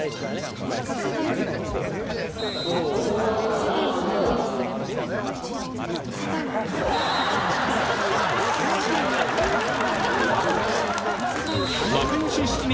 うまいっすよね・